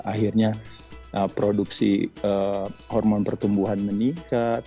akhirnya produksi hormon pertumbuhan meningkat